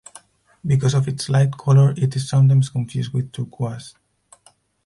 Because of its light color, it is sometimes confused with turquoise.